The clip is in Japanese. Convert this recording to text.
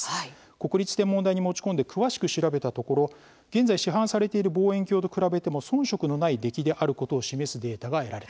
国立天文台に持ち込んで詳しく調べたところ現在市販されている望遠鏡と比べても遜色のない出来であることを示すデータが得られた。